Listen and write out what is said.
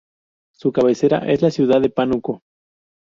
Su cabecera es la ciudad de Pánuco.